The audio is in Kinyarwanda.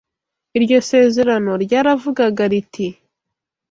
Iryo sezerano ryaravugaga riti: